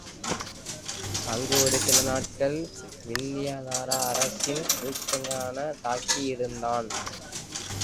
அங்கு ஒரு சில நாட்கள் வித்தியாதர அரசனின் விருந்தினனாகத் தங்கி இருந்தான்.